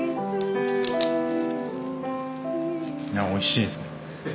おいしいですね。